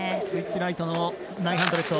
スイッチライトの９００。